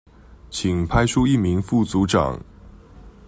請派出一名副組長